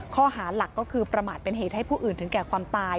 ข้อหาหลักก็คือประมาทเป็นเหตุให้ผู้อื่นถึงแก่ความตาย